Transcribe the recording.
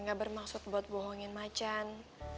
gak bermaksud buat bohongin macan